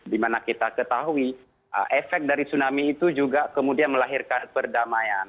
dimana kita ketahui efek dari tsunami itu juga kemudian melahirkan perdamaian